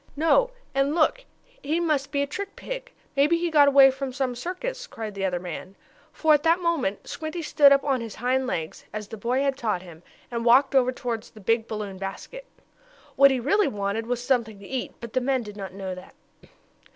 "No, and look! He must be a trick pig! Maybe he got away from some circus!" cried the other man. For, at that moment Squinty stood up on his hind legs, as the boy had taught him, and walked over toward the big balloon basket. What he really wanted was something to eat, but the men did not know that.